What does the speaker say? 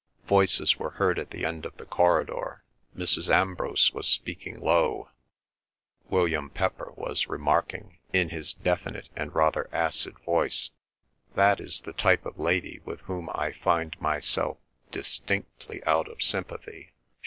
... Voices were heard at the end of the corridor. Mrs. Ambrose was speaking low; William Pepper was remarking in his definite and rather acid voice, "That is the type of lady with whom I find myself distinctly out of sympathy.